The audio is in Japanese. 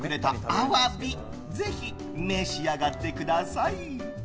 アワビぜひ召し上がってください。